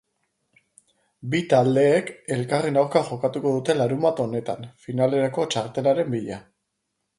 Bi taldeek elkarren aurka jokatuko dute larunbat honetan finalerako txartelaren bila.